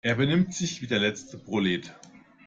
Er benimmt sich wie der letzte Prolet.